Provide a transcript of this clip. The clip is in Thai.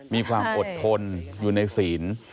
มีความอดทนอยู่ในศีล